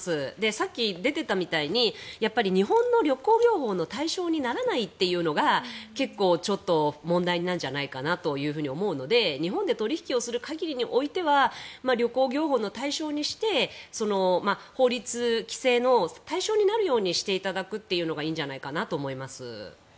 さっき出ていたみたいに日本の旅行業法の対象にならないというのが問題じゃないかなと思うので日本で取引をする限りにおいては旅行業法の対象にして法律、規制の対象になるようにしていただくのがいいんじゃないかなと思います。